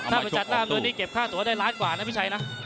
ถ้าไปจัดหน้าอำนวยนี่เก็บค่าตัวได้ล้านกว่านะพี่ชัยนะ